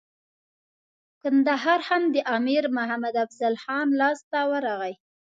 کندهار هم د امیر محمد افضل خان لاسته ورغی.